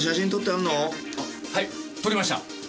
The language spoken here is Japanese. はい撮りました。